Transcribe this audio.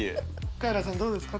カエラさんどうですか？